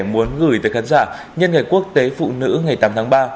muốn gửi tới khán giả nhân ngày quốc tế phụ nữ ngày tám tháng ba